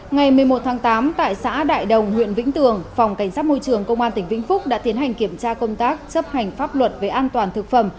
ngày một mươi một tháng tám tại xã đại đồng huyện vĩnh tường phòng cảnh sát môi trường công an tỉnh vĩnh phúc đã tiến hành kiểm tra công tác chấp hành pháp luật về an toàn thực phẩm